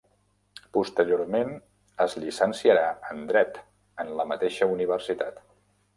Posteriorment es llicenciarà en Dret en la mateixa universitat.